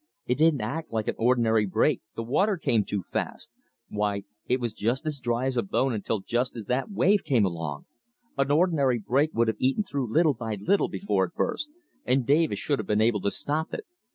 It didn't act like an ordinary break. The water came too fast. Why, it was as dry as a bone until just as that wave came along. An ordinary break would have eaten through little by little before it burst, and Davis should have been able to stop it.